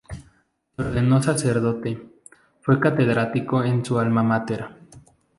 Se ordenó sacerdote, fue catedrático en su alma máter.